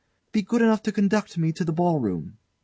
Be good enough to conduct me to the ball room.